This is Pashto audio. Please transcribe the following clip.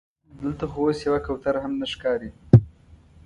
دلته خو اوس یوه کوتره هم نه ښکاري.